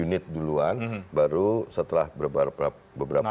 unit duluan baru setelah beberapa hari